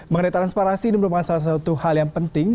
mengenai transparansi ini merupakan salah satu hal yang penting